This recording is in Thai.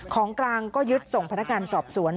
ของกลางก็ยึดส่งพนักงานสอบสวน